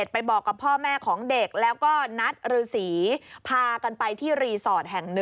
ไปบอกกับพ่อแม่ของเด็กแล้วก็นัดรือสีพากันไปที่รีสอร์ทแห่ง๑